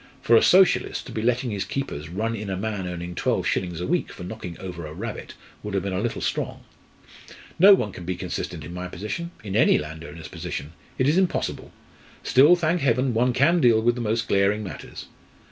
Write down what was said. "For a Socialist to be letting his keepers run in a man earning twelve shillings a week for knocking over a rabbit would have been a little strong. No one can be consistent in my position in any landowner's position it is impossible; still, thank Heaven, one can deal with the most glaring matters.